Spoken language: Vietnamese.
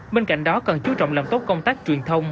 bên cạnh đó cần chú trọng làm tốt công tác truyền thông